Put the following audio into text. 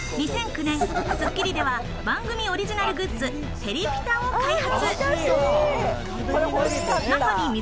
２００９年『スッキリ』では番組オリジナルグッズ、テリピタを開発。